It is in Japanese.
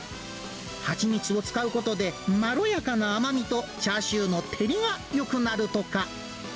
蜂蜜を使うことで、まろやかな甘みとチャーシューの照りがよくなるとか。